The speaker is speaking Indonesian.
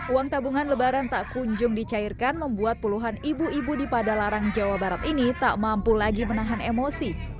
uang tabungan lebaran tak kunjung dicairkan membuat puluhan ibu ibu di padalarang jawa barat ini tak mampu lagi menahan emosi